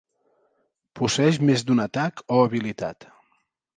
Posseeix més d'un atac o habilitat.